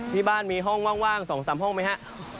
ที่บ้านมีห้องว่าง๒๓ห้องไหมฮะ